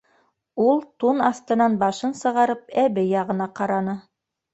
Ул, тун аҫтынан башын сығарып, әбей яғына ҡараны.